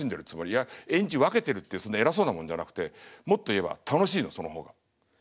いや演じ分けてるってそんな偉そうなもんじゃなくてもっと言えば楽しいのその方が。